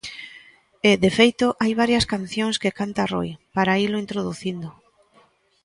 E, de feito, hai varias cancións que canta Roi, para ilo introducindo.